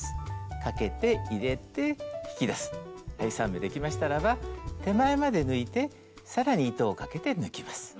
３目できましたらば手前まで抜いて更に糸をかけて抜きます。